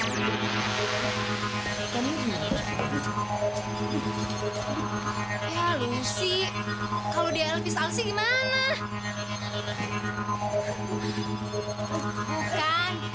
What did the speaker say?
kayaknya dia lebih terkesan dengan aku